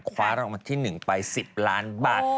คว้าลงมาที่๑ไป๑๐ล้านบาท